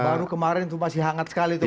baru kemarin itu masih hangat sekali itu pak